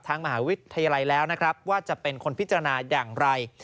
มหาวิทยาลัยแล้วนะครับว่าจะเป็นคนพิจารณาอย่างไร